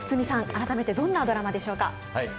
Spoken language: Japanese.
改めてどんなドラマでしょうか？